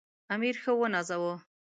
امیر ښه ونازاوه.